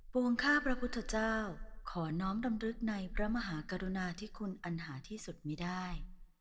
วงข้าพระพุทธเจ้าขอน้อมดำรึกในพระมหากรุณาที่คุณอันหาที่สุดมีได้